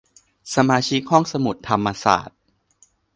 สมาชิกห้องสมุดธรรมศาสตร์